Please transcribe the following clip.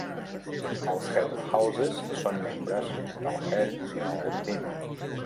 Els Heads of Houses són membres del Head Girl Team.